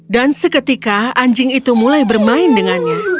dan seketika anjing itu mulai bermain dengannya